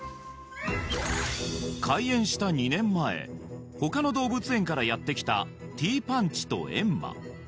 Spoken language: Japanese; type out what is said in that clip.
開園した２年前他の動物園からやってきたティーパンチとエンマ